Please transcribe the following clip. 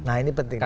nah ini penting ya